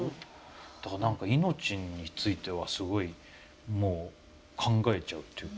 だから何か命についてはすごいもう考えちゃうっていうか。